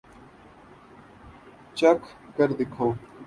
چکھ کر دیکھو